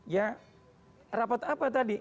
ya rapat apa tadi